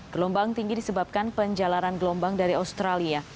gelombang tinggi disebabkan penjalaran gelombang dari australia